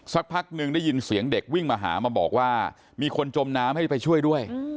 สักพักหนึ่งได้ยินเสียงเด็กวิ่งมาหามาบอกว่ามีคนจมน้ำให้ไปช่วยด้วย